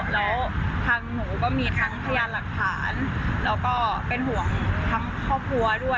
แล้วทางหนูก็มีทั้งพยานหลักฐานแล้วก็เป็นห่วงทั้งครอบครัวด้วย